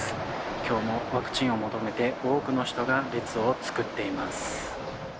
今日もワクチンを求めて多くの人が列を作っています。